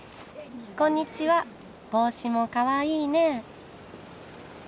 こんにちは帽子もかわいいね。